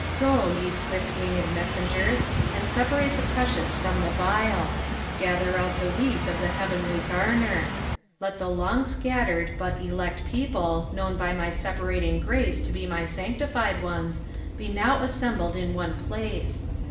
Go, ye swift winged messengers, and separate the precious from the vile. Gather out the wheat of the heavenly garaer. Let the long scsttered, but elect people, known by my separating grace to be my aanctified ones, be now assembled in one place.